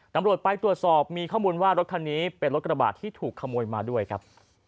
ตำรวจไปตรวจสอบมีข้อมูลว่ารถคันนี้เป็นรถกระบาดที่ถูกขโมยมาด้วยครับ